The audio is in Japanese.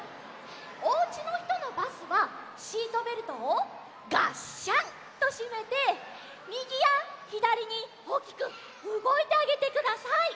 おうちのひとのバスはシートベルトをがっしゃんとしめてみぎやひだりにおおきくうごいてあげてください。